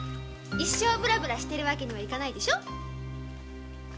一生ブラブラしてる訳にはいかないわよ。